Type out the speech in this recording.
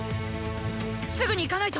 すぐに行かないと！